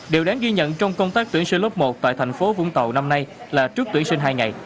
điều đáng ghi nhận trong công tác tuyển sinh lớp một tại thành phố vũng tàu năm nay là trước tuyển sinh hai ngày